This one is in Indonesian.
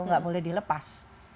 nggak boleh dilepas